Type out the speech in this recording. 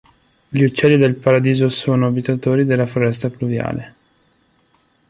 Gli uccelli del paradiso sono abitatori della foresta pluviale.